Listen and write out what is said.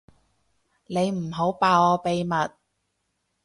你唔好爆我秘密